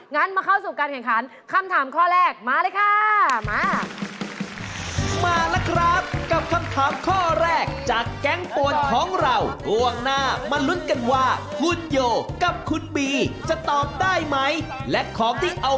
มาเข้าสู่การแข่งขันคำถามข้อแรกมาเลยค่ะ